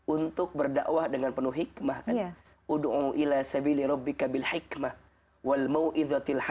untuk berdakwah dengan penuh hikmah